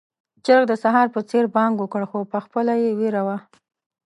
چرګ د سهار په څېر بانګ وکړ، خو پخپله يې وېره وه.